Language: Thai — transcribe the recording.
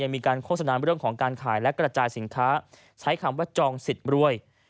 มีการโฆษณาเรื่องของการขายและกระจายสินค้าใช้คำว่าจองสิทธิ์รวย